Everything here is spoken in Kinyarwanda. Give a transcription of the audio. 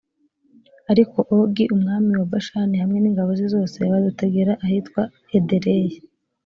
ariko ogi umwami wa bashani hamwe n’ingabo ze zose badutegera ahitwa edereyi